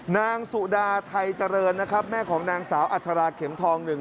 นางสุดาไทยเจริญนะครับแม่ของนางสาวอัชราเข็มทองหนึ่ง